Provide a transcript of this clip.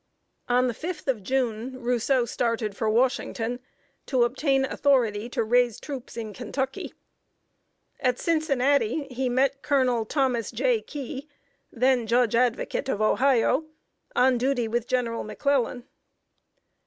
On the 5th of June, Rousseau started for Washington, to obtain authority to raise troops in Kentucky. At Cincinnati, he met Colonel Thomas J. Key, then Judge Advocate of Ohio, on duty with General McClellan.